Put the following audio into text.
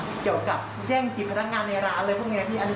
เกี่ยวกับแย่งจิตพนักงานในร้านอะไรพวกนี้พี่